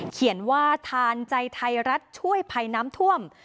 เขียนว่าทานใจไทยรัฐช่วยภัยน้ำท่วม